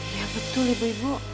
ya betul ibu ibu